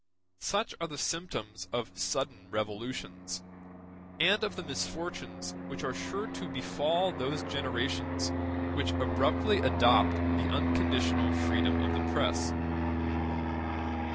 Such are the symptoms of sudden revolutions, and of the misfortunes which are sure to befall those generations which abruptly adopt the unconditional freedom of the press.